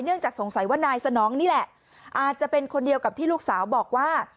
จากสงสัยว่านายสนองนี่แหละอาจจะเป็นคนเดียวกับที่ลูกสาวบอกว่า